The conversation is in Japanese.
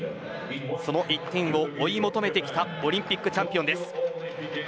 その１点を追い求めてきたオリンピックチャンピオンです。